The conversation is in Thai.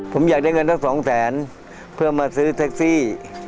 ผมอยากได้เงินทั้งสองแสนเพื่อมาซื้อแท็กซี่